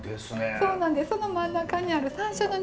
そうなんですその真ん中にある山椒のね